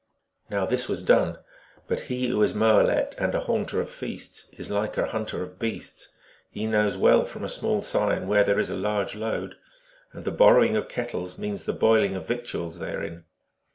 Now this was done, but he who is moalet and a haunter of feasts is like a hunter of beasts : he knows well from a small sign where there is a large load, and the borrowing of kettles means the boiling of victuals therein.